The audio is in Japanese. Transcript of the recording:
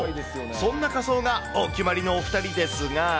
そんな仮装がお決まりのお２人ですが。